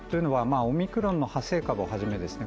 オミクロンの派生株をはじめですね